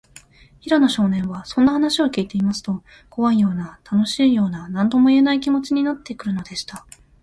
平野少年は、そんな話をきいていますと、こわいような、たのしいような、なんともいえない、気もちになってくるのでした。